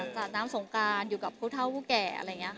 จากน้ำสงการอยู่กับผู้เท่าผู้แก่อะไรอย่างนี้ค่ะ